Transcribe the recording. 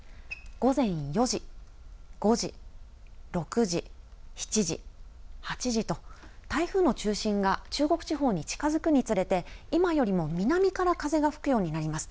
午前４時、５時、６時、７時、８時と台風の中心が中国地方に近づくにつれて今よりも南から風が吹くようになります。